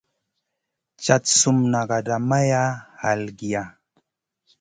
Cad sum nagada maya halgiy.